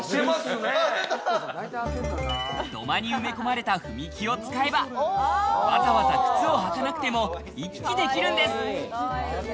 土間に埋め込まれた踏み木を使えば、わざわざ靴を履かなくても行き来できるんです。